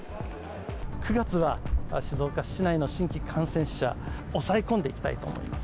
９月は静岡市内の新規感染者、抑え込んでいきたいと思います。